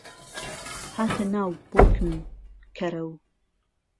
هاته ناو بۆکم کهرهو